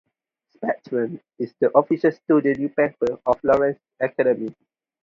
"Spectrum" is the official student newspaper of Lawrence Academy.